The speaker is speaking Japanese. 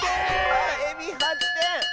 あっエビ８てん！